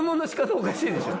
おかしいでしょう。